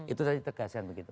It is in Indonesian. itu tadi tegasan begitu